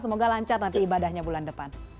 semoga lancar nanti ibadahnya bulan depan